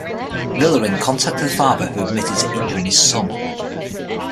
Villarin contacted the father who admitted to injuring his son.